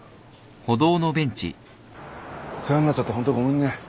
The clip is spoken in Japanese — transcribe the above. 世話になっちゃってホントごめんね。